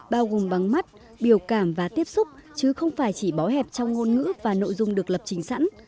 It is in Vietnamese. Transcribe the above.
bao gồm bằng mắt biểu cảm và tiếp xúc chứ không phải chỉ bó hẹp trong ngôn ngữ và nội dung được lập trình sẵn